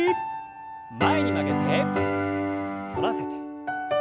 前に曲げて反らせて。